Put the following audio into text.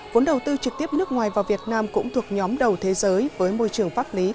vốn đầu tư trực tiếp nước ngoài vào việt nam cũng thuộc nhóm đầu thế giới với môi trường pháp lý